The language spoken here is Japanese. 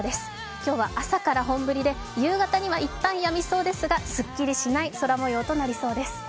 今日は朝から本降りで夕方には一旦やみますがすっきりしない空模様となりそうです。